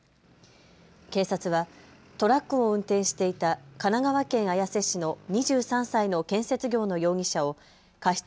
警察はトラックを運転していた神奈川県綾瀬市の２３歳の建設業の容疑者を過失